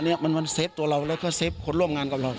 เนี่ยมันเซฟตัวเราแล้วก็เซฟคนร่วมงานกับเรา